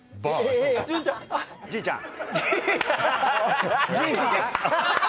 じいちゃん。